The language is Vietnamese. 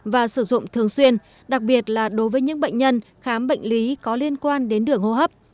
và sử dụng thường xuyên đặc biệt là đối với những bệnh nhân khám bệnh lý có liên quan đến đường hô hấp